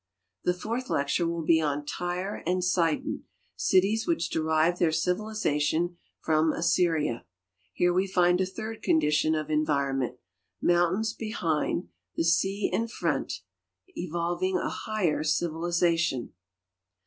The fourth lecture will be on Tyre and Sidon, cities which derived their civilization from Assyria. Here we find a third condition of environ ment—mountains behind, the sea in front— evolving a higher civilization.